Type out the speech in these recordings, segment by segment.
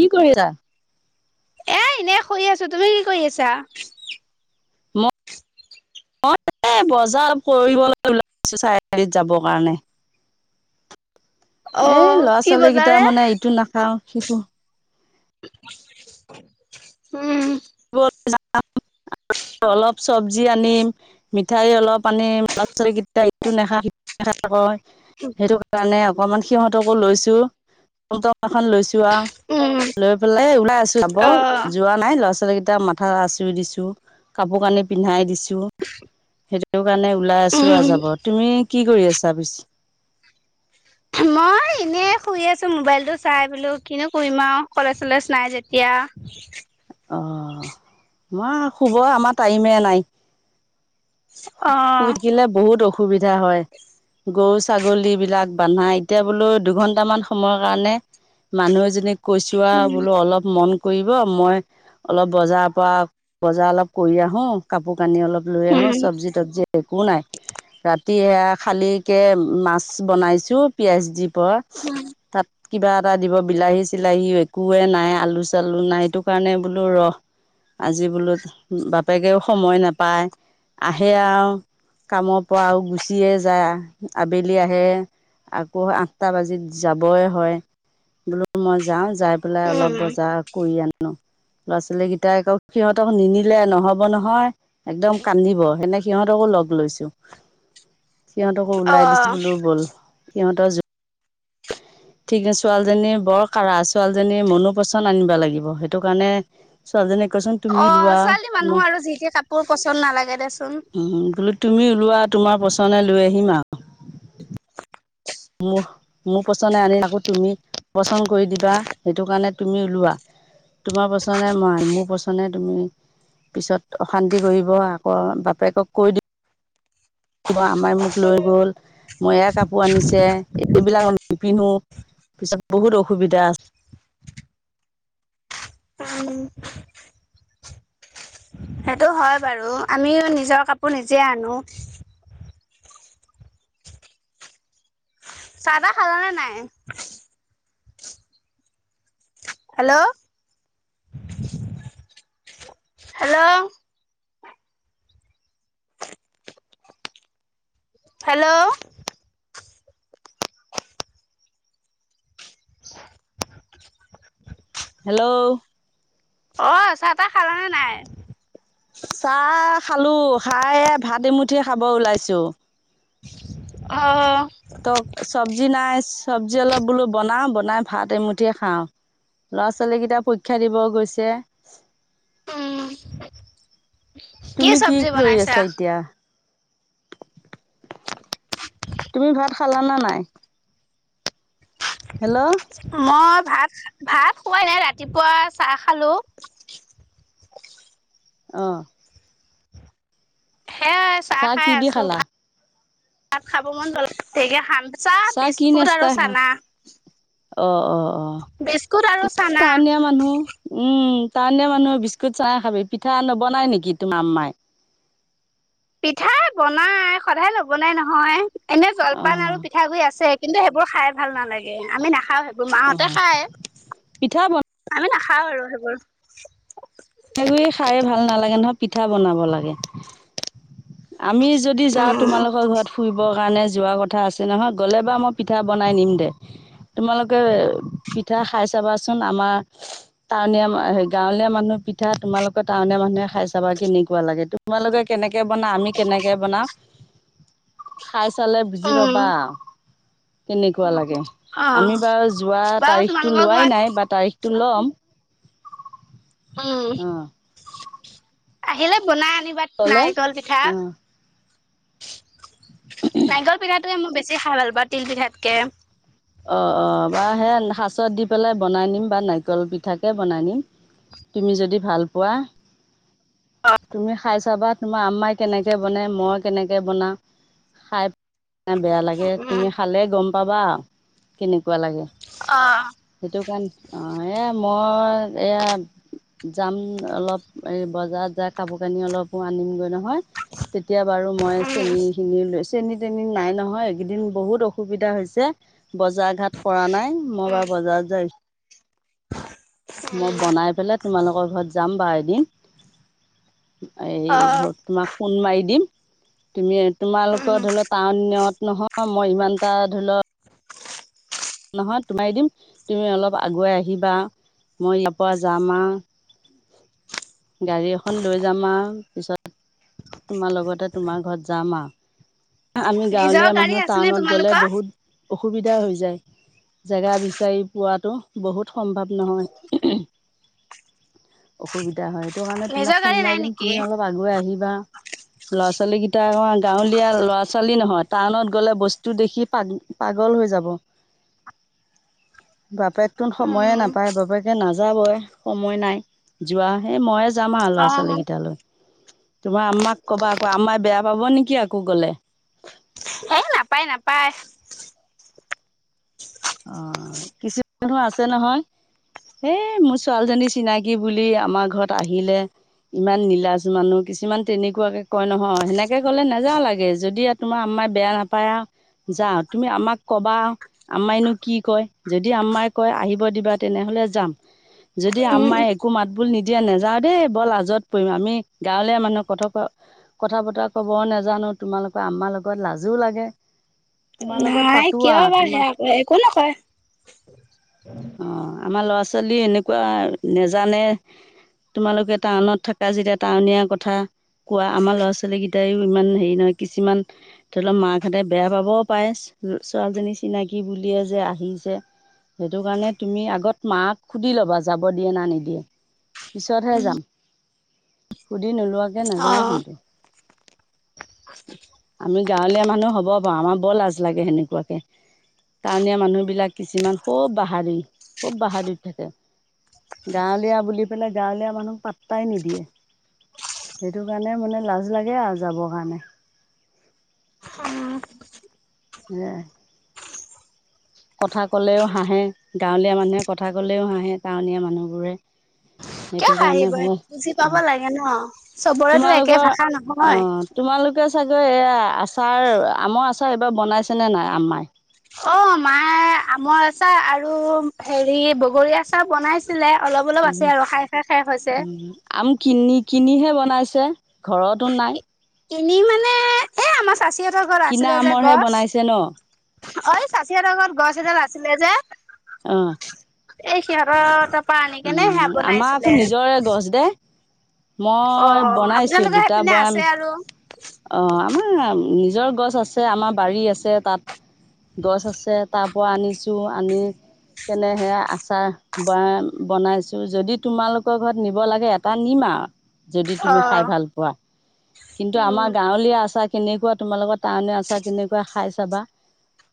কি কৰি আছা? এ! এনে শুই আছো তুমি কি কৰি আছা? ম অ, এই বজাৰ অলপ কৰিবলৈ ওলাইছো চাৰিআলিত যাব কাৰণে। এ! অ' ল'ৰা- কি ছোৱালী কেইটা বজাৰে? মানে ইটো নাখাও, সিটো উ'ম। বল যাওঁ, বলা। অলপ চব্জি আনিম, মিঠাই অলপ আনিম। ল'ৰা- ছোৱালীৰ ইটো নেখাও সেইটো নেখাও কয় সেইটো কাৰণে। অকনমান সিহতকো লৈছো এ লৈছো। লোৱা উম, লৈ পেলাই ওলাই আছো, যাব অ' যোৱা নাই ল'ৰা -ছো ছোৱালীকেইটাৰ মাথা আচুৰি দিছো, কাপোৰ কানি পিন্ধাই দিছো। সেইটো কাৰণে ওলাই আছো আৰু উম, যাব তুমি কি কৰি আছা পিছে? মই এনে শুই আছো, মোবাইল টো চাই বোলো কিনো কৰিম আৰু কলেজ কলেজ নাই যেতিয়া। য়া। অ মই শুব আমাৰ টাইমে নাই। অ' শুই থাকিলে বহুত অসুখ সুবিধা হয়, গৰু ছাগলী বিলাক বনাই এতিয়া বোলো দুঘণ্টামান সময়ৰ কাৰণে মানুহ এজনীক কৈছোৱা উম, বোলো অলপ মন কৰিব মই অলপ বজাৰ পৰা বজাৰ অলপ কৰি আহো কাপোৰ পানী অলপ লৈ আহোঁ উম, চব্জি তবজি একো নাই সেয়া খালিকৈ মাছ বনাইছোঁ পিঁয়াজ দি প তাত কিবা এটা দিব বিলাহী - চিলাহী একোৱে নাই আলু - চালু নাই এইটো কাৰণে বোলো ৰস আজি বোলোত বাপেকেও সময় নাপায় আহে আৰু কামৰ পৰা আৰু গুচিয়ে যায় আবেলি আহে। আকৌ আঠটা বাজিত যাবই হয়, বোলো মই যাওঁ যাই পেলাই অলপ উম, বজাৰ কৰি আনো। ল'ৰা ছোৱালীকেইটাই আকৌ সিহঁতক নিনিলে নহব নহয় একদম কান্দিব সেনে সিহতকো লগ লৈছো সিহঁতকো ওলাই অ' দিছোঁ বুলো বল সিহঁতৰ ঠিক ছোৱালীজনী বৰ কাৰা ছোৱালীজনী মনো পচন আনিব লাগিব সেইটো কাৰণে ছোৱালীজনী কোৱাচোন তুমি অ' লোৱা, ছোৱালী মানুহ উম আৰু যি টি কাপোৰ পচন্দ নালাগে দেচোন। বুলো তুমি ওলোৱা তোমাৰ পছনে লৈ আহিম আৰু। ম - মোৰ পচন্দ আনি আকৌ তুমি পচন্দ কৰি দিবা সেইটো কাৰণে তুমি ওলোৱা। তোমাৰ পচন্দ মই, মোৰ পচন্দে তুমি। পিছত অশান্তি কৰিব আকৌ বাপেকক কৈ দিওঁ আমাই মোক লৈ গ'ল মইে কাপোৰ আনিছে এইবিলাক নিপিন্ধো। পিছত বহুত অসুবিধা আছে। উম, সেইটো হয় বাৰু আমিও নিজৰ কাপোৰ নিজে আনো। চাহ- তাহ খালানে নাই? Hello hello. হেল্ল'। [inaudible] হেল্ল'। অ' চাহ - তাহ খালা নে নাই? চাহ খালো, খাইে ভাত এমুঠি খাব ওলাইছো। অ ত চব্জি নাই চব্জি অলপ বোলো বনাও বনাই ভাত এমুঠিয়ে খাওঁ ল'ৰা ছোৱালী কেইটা পৰীক্ষা দিব গৈছে অম তুমি কি কৰি আছা এতিয়া তুমি ভাত খালানা নাই হেল্ল' মই ভাত ভাত খোৱাই নাই ৰাতিপুৱা চাহ খালো আহঁ হেই চাহ খাই কি দি আছো ভ খালা? চাত খাব মন জ্বলে শান চাহ কি বিস্কুট আৰু নাস্তা খালা? চানা অ অ অ বিস্কুট আৰু চানা টাউনীয়া মানুহ উম তাৰণে মানুহে বিস্কুট চাই খাবি পিঠা নবনাই নেকি তোম মাম্মাই পিঠাই বনাই সদায় নবনাই নহয় এনে জলপান আৰু অ', পিঠাগুৰি আছে কিন্তু সেইবোৰ খাই ভাল নালাগে আমি নাখাওঁ সেইবোৰ মাহতে অ', খায় পিঠা বনাই আমি নাখা খাওঁ আৰু সেইবোৰ কৰি খাই ভাল নালাগে নহয় পিঠা বনাব লাগে আমি যদি যাওঁ উম, তোমালোকৰ ঘৰত ফুৰিবৰ কাৰণে যোৱাৰ কথা আছে নহয় গ'লে বাৰ মই পিঠা বনাই নিম দে তোমালোকে পিঠা খাই চাবাচোন আমাৰ টাউনীয়া গাঁৱলীয়া মানুহ পিঠা তোমালোকৰ টাউনীয়া মানুহে খাই চাবা কেনেকুৱা লাগে তোমালোকে কেনেকে বনা আমি কেনেকে বনা খাই চালে বুজি উম, পাবা কেনেকুৱা লাগে অ', আমি বাৰু যোৱা বাৰু তাৰিখটো তোমালোকৰ লোৱাই ঘৰত নাই বা তাৰিখটো ল'ম উম, অ আহিলে বনাই আনিবা ল'লে নাৰিকল পিঠা। অ নাৰিকল পিঠাটোৱে মই বেছি খাই ভাল পাওঁ তিল পিঠাতকে। অ' অ' বা সেয়া সাচত দি পেলাই বনাই নিম বা নাৰিকল পিঠাকে বনাই নিম। তুমি যদি ভাল পোৱা তুমি খাই চাবা তোমাৰ আম্মাই কেনেকে বনাই মই কেনেকে বনাওঁ খাই [unintelligible] বেয়া লাগে উম, তুমি খালে গম পাবা কেনেকুৱা লাগে। সেইটো কাৰণে অ, এ মই এয়া যাম অলপ এই বজাৰত যায় কাপোৰ-কানি অলপো আনিমগৈ নহয় তেতিয়া বাৰু মই উম, চেনী খিনি লৈ চেনী-তেনি নাই নহয়, এইকেইদিন বহুত অসুবিধা হৈছে। বজাৰ ঘাট কৰা নাই, মই উম, বাৰ বজাৰত যাই মই বনাই পেলাই তোমালোকৰ ঘৰত যাম বা এদিন। অ', এইবোৰ তোমাক ফোন মাৰি দিম। তুমি তোমালোকৰ উম। ধৰি লও টাউনত নহয় মই ইমানটা ধৰি ল, নহয় তোমা [unintelligible] দিম তুমি অলপ আগুৱাই আহিবা মই ইয়াপা জাম আ গাড়ী এখন লৈ যাম আৰু পিছত তোমাৰ লগতে তোমাৰ ঘৰত যাম আৰু। আমি নিজৰ গাঁৱলীয়া গাড়ী মানুহ আছেনে টাউনত গ'লে তোমালোকৰ? বহুত অসুবিধা হৈ যায়। জেগা বিচাৰি পোৱাটো বহুত সম্ভৱ নহয়। অসুবিধা হয় সেইটো কাৰণে তোমাক নিজৰ ফোন গাড়ী নাই মাৰি দিম নেকি? তুমি অলপ আগুৱাই আহিবা। ল'ৰা-ছোৱালী কেইটা অকমান গাঁৱলীয়া ল'ৰা -ছোৱালী নহয় টাউনত গ'লে বস্তু দেখি পাগ- পাগল হৈ যাব। বাপেক তোন সময়ে উম, নাপায় বাপেকে নাযাবই সময় নাই। যোৱা সেই ময়ে যাম আৰু ল'ৰা-ছোৱালী অ', কেইটালৈ। তোমাৰ আম্মাক কবা আকৌ আম্মাই বেয়া পাব নেকি আকৌ গ'লে? নাপায়-নাপায়। অ, কি [unintelligible] মানুহ আছে নহয়। এ মোৰ ছোৱালীজনী চিনাকি বুলি আমাৰ ঘৰত আহিলে। ইমান নীলাজ মানুহ কিছুমান তেনেকুৱাকে কয় নহয় সেনেকে ক'লে নাযাওঁ লাগে যদি এ তোমাৰ আম মাই বেয়া নাপায় আৰু যা তুমি আম্মাক কবা। আম্মাইনো কি কয় যদি আম্মাই কয় আহিব দিবা তেনেহলে যাম। যদি উম, আম্মাই একো মাতবোল নিদিয়া নাযাও দেই বৰ লাজত পৰিম আমি গাঁৱলীয়া মানুহৰ কথ ক কথা বতৰা কব নাজানো তোমালোকৰ আম্মাৰ লগত লাজো লাগে। তোমাৰ লগত নাই পাতো কিয় আৰু এবাৰ তোমাৰ সেয়া ক একো নকয়। অ আমাৰ ল'ৰা ছোৱালী এনেকুৱা নেজানে তোমালোকে টাউনত থকা যেতিয়া টাউনীয়া কথা কোৱা আমাৰ ল'ৰা ছোৱালী কেইটায়ও ইমান হেৰি নহয় কিছুমান ধৰি লও মাকহঁতে বেয়া পাবও পাৰে। ছোৱালীজনী চিনাকি বুলিয়ে যে আহিছে। সেইটো কাৰণে তুমি আগত মাক সুধি ল'বা যাব দিয়ে না নিদিয়ে। পিছতহে যাম। সুধি নোলোৱাকৈ নাযাওঁ অ', কিন্তু [inaudible] আমি গাঁৱলীয়া মানুহ হ'ব পাৰো আমাৰ বৰ লাজ লাগে সেনেকুৱাকে। টাউনীয়া মানুহবলাক কিছুমান খুব বাহাদুৰিৰ খুব বাহাদুৰিত থাকে। গাঁৱলীয়া বুলি পেলাই গাঁৱলীয়া মানুহক পাত্তাই নিদিয়ে। সেইটো কাৰণে মানে লাজ লাগে আৰু যাবৰ কাৰণে। উম, সেই কথা ক'লেও হাঁহে গাঁৱলীয়া মানুহে কথা কলেও হাঁহে টাউনীয়া মানুহবোৰে [unintelligible] কিয় সেইটো কাৰণে হাঁহিব ভাল বুজি পাব অ লাগে ন। চবৰেতো একে তোমালোকৰ ভাষা অ নহয়। তোমালোকে চাগৈ এয়া আচাৰ আমৰ আচাৰ এইবাৰ বনাইছে নে নাই আম্মাই? অ মায় আমৰ আচাৰ আৰু হেৰি বগৰী আচাৰ বনাইছে ছিলে অলপ অলপ আছে আৰু খাই খাই খাই হৈছে উম, আম কিনি কিনিহে বনাইছে ঘৰতো নাই কিনি মানে এ আমাৰ চাচি হসতৰ ঘৰত কিনা আছিলে যে আমৰহে বনাইছে ন গছ ঐ চাচিয়াৰ আগত গছ এডাল আছিলে যে অ' এই সিহঁতৰ তা পৰা আনি কেনে সেয়া উম, আমাৰ আকৌ বনাইছিলে নিজৰে গছ দে অ মই বনাইছো আপোনালোকৰ দুটা সেইপিনে বয়াম আছে আৰু অ' আমাৰ নিজৰ গছ আছে আমাৰ বাৰী আছে তাত গছ আছে তাৰ পৰা আনিছোঁ আনি কেনেহে আচাৰ ব-বনাইছো যদি তোমালোকৰ ঘৰত নিব লাগে এটা নিম আৰু। যদি অ তুমি খাই ভাল পোৱা কিন্তু উম আমাৰ গাঁৱলীয়া আচাৰ খিনুৱা তোমাৰ লগত টাউনৰ আচাৰ কেনেকুৱৈ খাই চাবা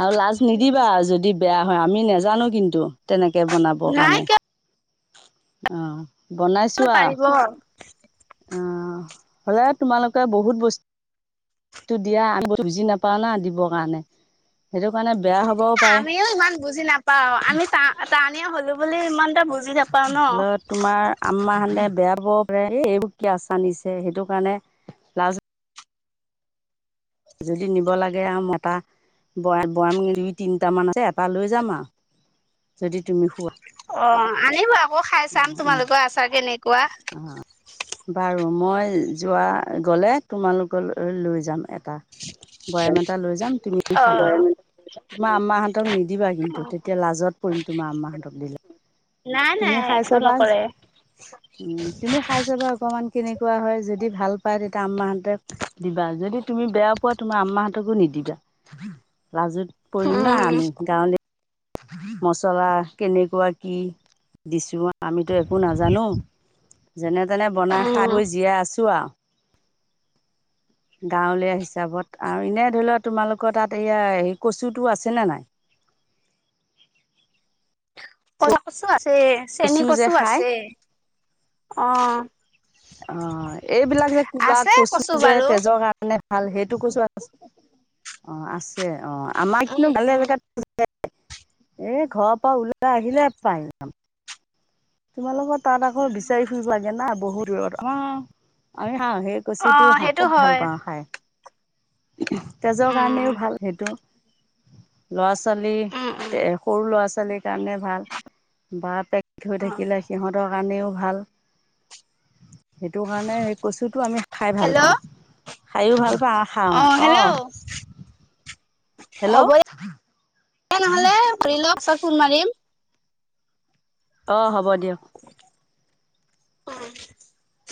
আৰু লাজ নিদিবা আৰু যদি বেয়া হয় আমি নাজানো কিন্তু তেনেকে বনাব নাই কাৰণে, অ' পাৰিব অ হ'লে তোমালোকে বহুত বস্তু সেটো দিয়া আমি বুজি নাপাও না দিবৰ কাৰণে সেইটো কাৰণে বেয়া হ'বও পাৰে আমিও ইমান বুজি নাপাও আমি টানি হলো বুলি ইমান এটা বুজি নাপাও ন ল তোমাৰ আম্মা হানে বেয়া পাব পাৰে এই এইবোৰ কি আচাৰ নিছে সেইটো কাৰণে লাজ যদি নিব লাগে আৰু মতা ব বয়াম দুই তিনটাামান আছে এটা লৈ যাম আৰু যদি তুমি খোৱা অ আনিব আকৌ খাই চাম অঁ তোমালোকৰ আচাৰ কেনেকুৱা বাৰু মই যোৱা গ'লে তোমালোকলৈ লৈ যাম বয়াম এটা লৈ যাম তুমি অ খাবা তোমাৰ আম্মাহতক নিদিবা কিন্তু তেতিয়া লাজত পৰিম তোমাৰ আম্মাহঁতক দিলে নাই নাই তুমি খাই একো চাবা নকৰে উ তুমি খাই চাবা অকমান কেনেকুৱা হয় যদি দি ভাল পায় তেতিয়া আম্মাহঁতে দিবা যদি তুমি বেয়া পোৱা তুমি আম্মাহঁতকো নিদিবা লাজত পৰিম না উম আমি গাঁৱলীয়া মছলা কেনেকুৱা কি দিছো আমিতো একো নাজানো যেনে তেনে বনাই খাই উম বৈ জীয়াই আছো আৰু গাঁৱলীয়া হিচাপত আৰু এনে ধৰি লও তোমালোকৰ তাত এয়া হে কচুতটো আছে নে নাই [inaudible] কলা কচু আছে চেনী যে কচু খাই আছে অ অ এইবিলাক যে কুলা আছে কচু যে বাৰু তেজৰ কাৰণে ভাল সেইটো কছো অ আছে অ আমাৰ কিন্তু ভালে জেগাত এ ঘৰৰ পৰা ওলাই আহিলে পাই জাম তোমালোকৰ তাত আকৌ বিচাৰি ফুৰিবাগে না বহুত দূৰত অ সেই অ কচুটো খাই, সেইটো খুব ভাল হয় পাওঁ খাই। তেজৰ উম কাৰণেও ভাল সেইটো ল'ৰা ছোৱালী উম উম ল'ৰা ছোৱালী সৰু ল'ৰা ছোৱালীৰ কাৰণে ভাল বা অ শিকিলে সিহঁতৰ কাৰণেও ভাল সেইটো কাৰণে এই কচুটো আমি খাই ভাল হেল্ল' পাওঁ। খাইও ভাল পাওঁ আৰু খাওঁ অ হেল্ল' তেনেহলে ধৰি লওক পিচত ফোন মাৰিম। অ হ'ব দিয়ক। উম